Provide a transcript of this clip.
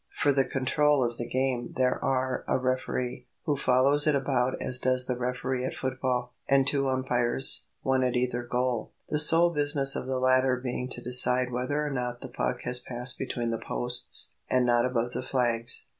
"] For the control of the game there are a referee, who follows it about as does the referee at football, and two umpires, one at either goal, the sole business of the latter being to decide whether or not the puck has passed between the posts, and not above the flags.